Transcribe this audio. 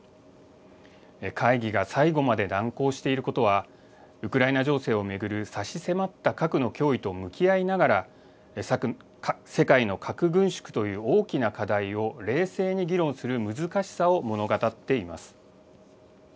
会議が最後まで難航していることは、ウクライナ情勢を巡る差し迫った核の脅威と向き合いながら、世界の核軍縮という大きな課題を冷静に議論する難しさを物語っています。